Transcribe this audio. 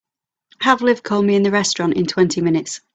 Have Liv call me in the restaurant in twenty minutes.